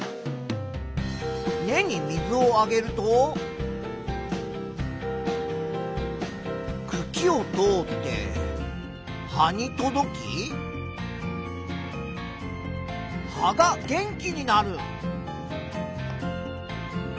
根に水をあげるとくきを通って葉に届き葉が元気になる。